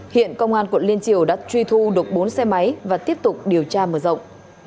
hiện công an quận liên triều đã truy thu được bốn xe máy và tiếp tục điều tra mở rộng